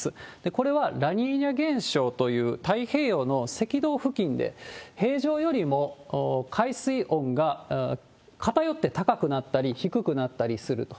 これはラニーニャ現象という、太平洋の赤道付近で平常よりも海水温が偏って高くなったり低くなったりすると。